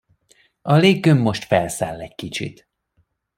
A léggömb most felszáll egy kicsit!